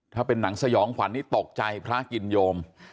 ถ้าเป็นหนังสยองขวัญนี่ตกใจพระกินโยม